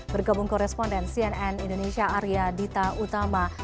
bergabung koresponden cnn indonesia arya dita utama